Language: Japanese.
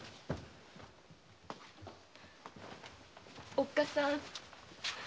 おっかさん。